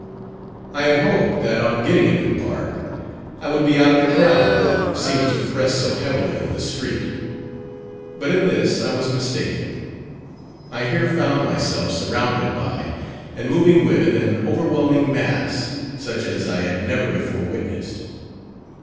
I had hoped that on getting into the Park, I would be out of the crowd that seemed to press so heavily in the street. But in this I was mistaken. I here found myself surrounded by and moving with an overwhelming mass, such as I had never before witnessed.